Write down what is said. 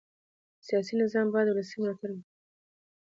سیاسي نظام باید ولسي ملاتړ ولري